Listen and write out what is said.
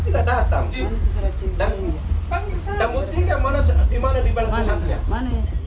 kita tidak datang